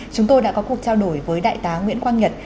chúng tôi đã có cuộc trao đổi với đại tá nguyễn quang nhật